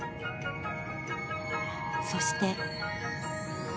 そして。